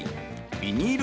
ビニール